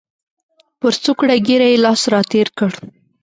پر څوکړه ږیره یې لاس را تېر کړ.